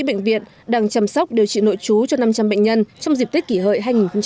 bệnh viện đang chăm sóc điều trị nội trú cho năm trăm linh bệnh nhân trong dịp tết kỷ hợi hai nghìn một mươi chín